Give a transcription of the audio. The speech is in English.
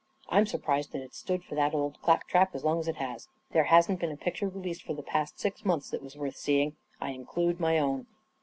I'm surprised that it's stood for that old clap trap as long as it has ! There hasn't been a picture re leased for the past six months that was worth seeing. I include my own